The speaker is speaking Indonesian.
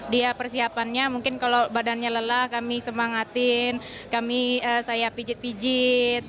dia persiapannya mungkin kalau badannya lelah kami semangatin kami saya pijit pijit